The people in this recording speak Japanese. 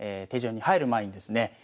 手順に入る前にですね